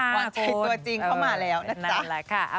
หวานใจตัวจริงเข้ามาแล้วนะจ๊ะ